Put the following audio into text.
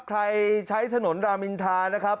ใช้ถนนรามินทานะครับ